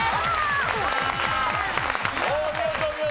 お見事お見事！